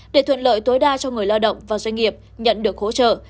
để thuận lợi tối đa cho người lao động và doanh nghiệp nhận được hỗ trợ